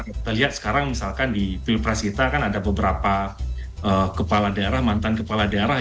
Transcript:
kita lihat sekarang misalkan di pilpres kita kan ada beberapa kepala daerah mantan kepala daerah